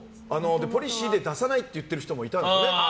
ポリシーで出さないって言ってる人もいたんです。